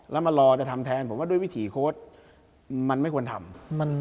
แล้วมารอจะทำแทนผมว่าด้วยวิถีโค้ดมันไม่ควรทำ